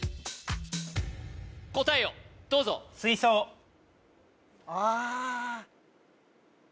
答えをどうぞ・ああ